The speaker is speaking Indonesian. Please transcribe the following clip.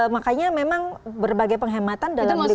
makanya memang berbagai penghematan dalam liburan itu